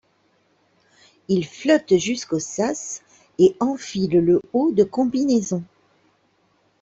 Il flotte jusqu'au sas et enfile le haut de combinaison.